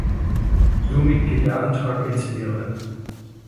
Somit geht der Antrag ins Leere.